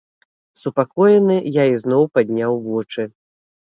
Супакоены, я ізноў падняў вочы.